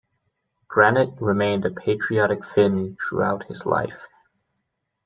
Granit remained a patriotic Finn throughout his life.